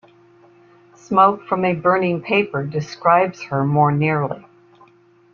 Smoke from a burning paper describes her more nearly.